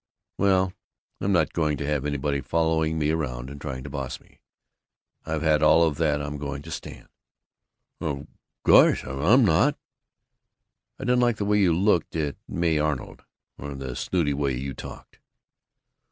"Well, I'm not going to have anybody following me around and trying to boss me. I've had all of that I'm going to stand!" "Well, gosh, I'm not " "I didn't like the way you looked at May Arnold, or the snooty way you talked."